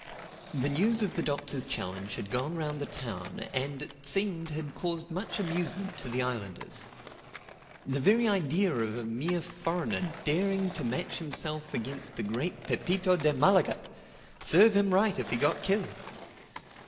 The news of the Doctor's challenge had gone round the town and, it seemed, had caused much amusement to the islanders. The very idea of a mere foreigner daring to match himself against the great Pepito de Malaga!—Serve him right if he got killed!